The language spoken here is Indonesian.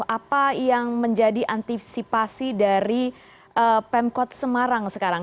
apa yang menjadi antisipasi dari pemkot semarang sekarang